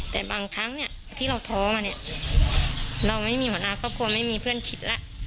แต่บางครั้งเนี่ยที่เราท้อมาเนี่ยเราไม่มีหัวหน้าครอบครัวไม่มีเพื่อนคิดแล้ว